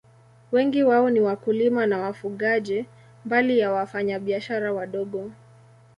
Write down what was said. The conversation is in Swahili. Wengi wao ni wakulima na wafugaji, mbali ya wafanyabiashara wadogo.